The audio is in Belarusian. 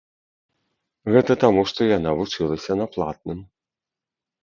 Гэта таму, што яна вучылася на платным.